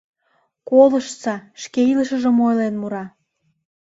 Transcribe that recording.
Колыштса, шке илышыжым ойлен мура...